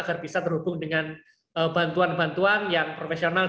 agar bisa terhubung dengan bantuan bantuan yang profesional